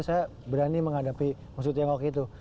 saya berani menghadapi musuh tengok itu